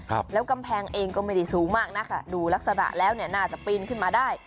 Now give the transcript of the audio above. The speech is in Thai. ครับแล้วกำแพงเองก็ไม่ได้สูงมากนะคะดูลักษณะแล้วเนี่ยน่าจะปีนขึ้นมาได้